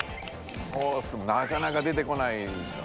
「コース」もなかなか出てこないですよね。